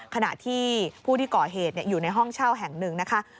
ขณะที่ผู้ที่ก่อเหตุอยู่ในห้องเช่าแห่งหนึ่งนะคะ